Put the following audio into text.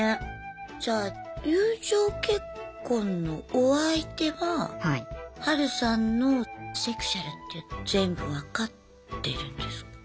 じゃあ友情結婚のお相手はハルさんのセクシュアルって全部分かってるんですか？